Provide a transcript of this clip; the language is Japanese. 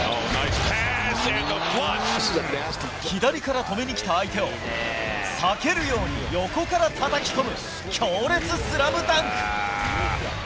左から止めに来た相手を、避けるように横からたたき込む強烈スラムダンク。